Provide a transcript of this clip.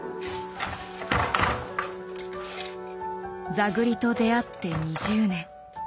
座繰りと出会って２０年。